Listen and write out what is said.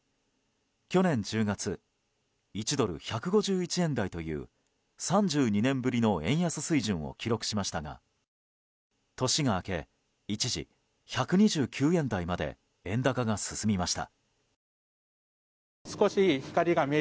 去年１０月１ドル＝１５１円台という３２年ぶりの円安水準を記録しましたが年が明け、一時１２９円台まで円高が進みました。